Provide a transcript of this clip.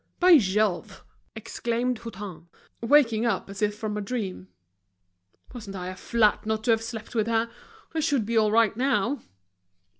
"By Jove!" exclaimed Hutin, waking up as if from a dream, "wasn't I a flat not to have slept with her! I should be all right now!"